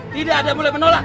tidak ada mulai menolak